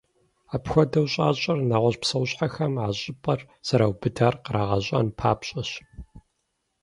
Апхуэдэу щӏащӏэр, нэгъуэщӏ псэущхьэхэм, а щӏыпӏэр зэраубыдар кърагъэщӏэн папщӏэщ.